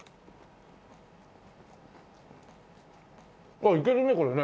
あっいけるねこれね。